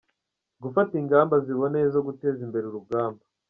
– Gufata ingamba ziboneye zo guteza imbere urugamba;